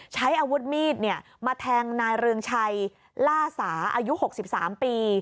ใช้อาวุธมีดมาแทงนายเรืองชัยล่าสาอายุ๖๓ปี